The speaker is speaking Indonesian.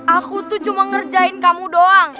aku tuh cuma ngerjain kamu doang